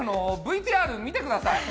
ＶＴＲ見てください。